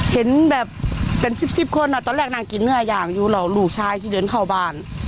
เห็นแบบเป็น๑๐คนตอนแรกนางกินเหนืออย่างอยู่เหล่าลูกชายที่เดินเข้าบ้าน